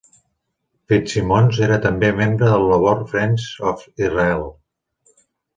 Fitzsimons era també membre de Labour Friends of Israel.